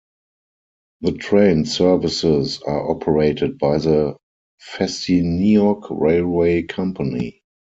The train services are operated by the Festiniog Railway Company.